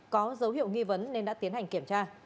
có dấu hiệu nghi vấn nên đã tiến hành kiểm tra